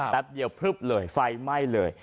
แป๊บเดียวพลึบเลยไฟไหม้เลย